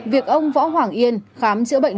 việc ông võ hoàng yên khám chữa bệnh